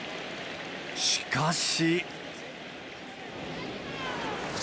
しかし。